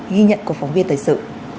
ghi nhận của phóng viên tới sự